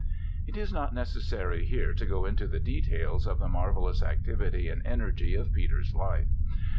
It is not necessary here to go into the details of the marvellous activity and energy of Peter's life.